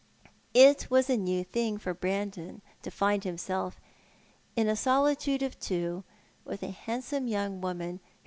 It was a new thing for Brandon to find himself in a solitude of two with a handsome young woman, who?